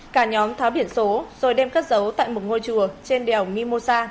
cả nhóm tháo biển số rồi đem cất giấu tại một ngôi chùa trên đèo mimosa